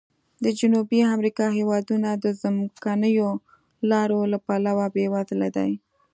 د جنوبي امریکا هېوادونه د ځمکنیو لارو له پلوه بې وزلي دي.